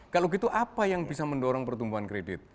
kalau gitu apa yang bisa mendorong pertumbuhan kredit